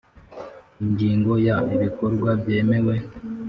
Ingingo ya Ibikorwa byemewe